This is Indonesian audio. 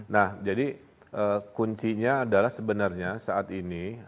nah jadi kuncinya adalah sebenarnya saat ini